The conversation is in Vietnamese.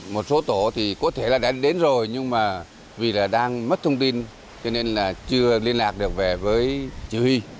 một số tổ có thể đã đến rồi nhưng vì đang mất thông tin cho nên chưa liên lạc được về với chỉ huy